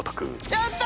やった！